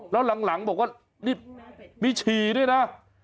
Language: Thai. แล้วหลังบอกว่านี่มีฉี่ด้วยนะ